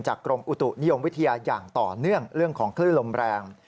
กรมอุตุนิยมวิทยาอย่างต่อเนื่องเรื่องของคลื่นลมแรง